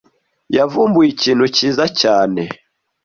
Yavumbuye ikintu cyiza cyane.